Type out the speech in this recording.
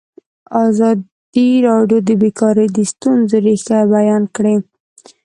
ازادي راډیو د بیکاري د ستونزو رېښه بیان کړې.